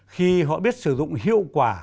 khi họ biết sử dụng hiệu quả